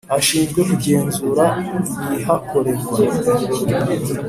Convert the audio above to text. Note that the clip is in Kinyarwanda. Ashinzwe kugenzura ibihakorerwa.